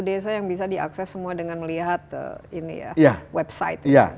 jadi tujuh puluh empat desa yang bisa diakses semua dengan melihat website